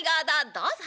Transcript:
どうぞ！」。